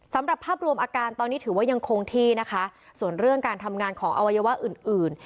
สำหรับภาพรวมอาการตอนนี้ถือว่ายังคงที่นะคะส่วนเรื่องการทำงานของอวัยวะอื่นอื่น